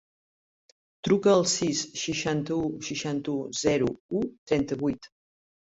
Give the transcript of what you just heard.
Truca al sis, seixanta-u, seixanta-u, zero, u, trenta-vuit.